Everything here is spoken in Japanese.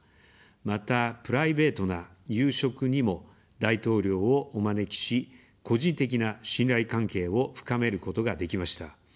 また、プライベートな夕食にも大統領をお招きし、個人的な信頼関係を深めることができました。